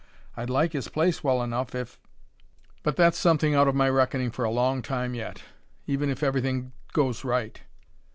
I'd like his place well enough if but that's something out of my reckoning for a long time yet, even if everything goes right."